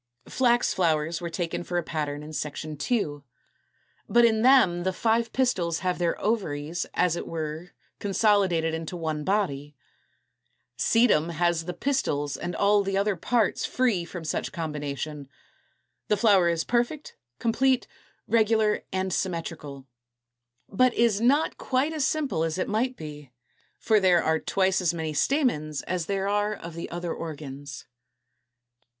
240. Flax flowers were taken for a pattern in Section II. 16. But in them the five pistils have their ovaries as it were consolidated into one body. Sedum, Fig. 222, has the pistils and all the other parts free from such combination. The flower is perfect, complete, regular, and symmetrical, but is not quite as simple as it might be; for there are twice as many stamens as there are of the other organs.